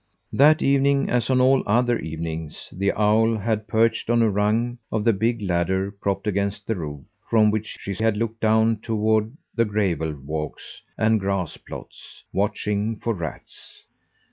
That evening, as on all other evenings, the owl had perched on a rung of the big ladder propped against the roof, from which she had looked down toward the gravel walks and grass plots, watching for rats.